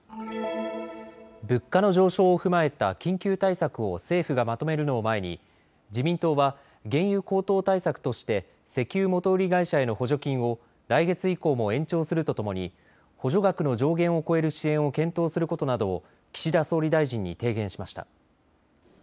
物価の上昇を踏まえた緊急対策を政府がまとめるのを前に自民党は原油高騰対策として石油元売り会社への補助金を来月以降も延長するとともに補助額の上限を超える支援を検討することなどを岸田総理大臣に提言しました。